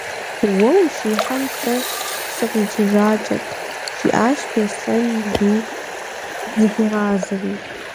- Уэ ущихьэм, сэ сыкъикӏыжакӏэт, - жиӏащ Беслъэн Лу зыхуигъазэри.